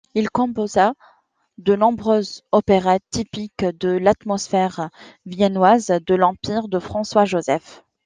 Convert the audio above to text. Il composa de nombreuses opérettes, typiques de l'atmosphère viennoise de l'Empire de François-Joseph.